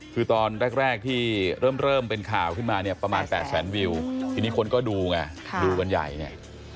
คือตอนแรกที่เริ่มเป็นข่าวขึ้นมาเนี่ยประมาณ๘แสนวิวทีนี้คนก็ดูไงดูกันใหญ่เนี่ย